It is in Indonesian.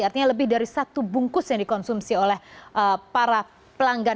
artinya lebih dari satu bungkus yang dikonsumsi oleh para pelanggan